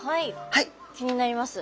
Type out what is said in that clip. はい気になります。